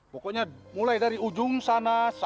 pokoknya mulai dari ujung sana sampai ke bawah sana